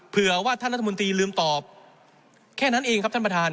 เผื่อว่าท่านรัฐมนตรีลืมตอบแค่นั้นเองครับท่านประธาน